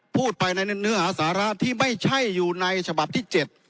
พูดไปในเนื้อหาสาระที่ไม่ใช่อยู่ในฉบับที่๗